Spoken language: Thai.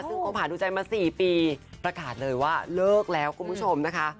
ซึ่งคบหาดูใจมา๔ปีประกาศเลยว่าเลิกแล้วคุณผู้ชมนะคะ